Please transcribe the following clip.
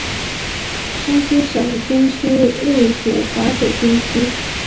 山西省军区隶属华北军区。